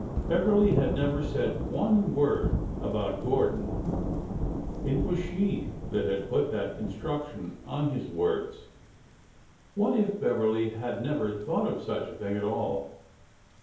Beverly had never said one word about Gordon! It was she that had put that construction on his words 1 What if Beverly had never thought of such a thing at all